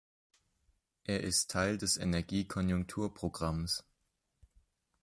Er ist Teil des Energie-Konjunkturprogramms.